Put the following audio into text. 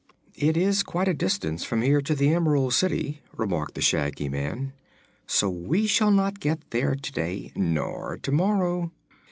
"It is quite a distance from here to the Emerald City," remarked the Shaggy Man, "so we shall not get there to day, nor to morrow.